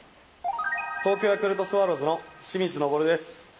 東京ヤクルトスワローズの清水昇です。